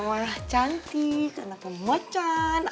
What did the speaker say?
ah cantik kenapa mocan